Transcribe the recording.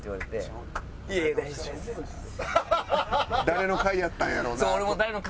誰の回やったんやろうな。